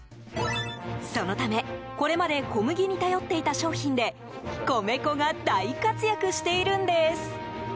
そのためこれまで小麦に頼っていた商品で米粉が大活躍しているんです。